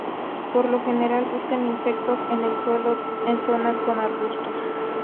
Por lo general buscan insectos en el suelo en zonas con arbustos.